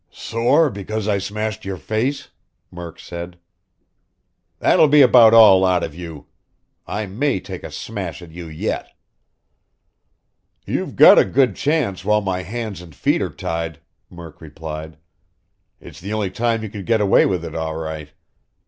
"Sore because I smashed your face!" Murk said. "That'll be about all out of you! I may take a smash at you yet!" "You've got a good chance while my hands and feet are tied," Murk replied. "It's the only time you could get away with it, all right!